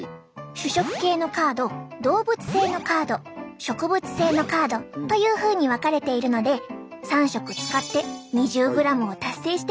主食系のカード動物性のカード植物性のカードというふうに分かれているので３色使って２０ｇを達成してみてください。